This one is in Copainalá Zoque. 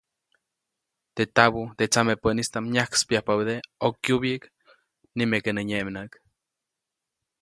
Teʼ tabuʼ, teʼ tsamepäʼnistaʼm nyajkspäyajpabädeʼe ʼokyubyiʼk, nimeke nä nyeʼmnäʼk.